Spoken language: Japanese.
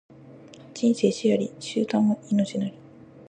人生死あり、終端は命なり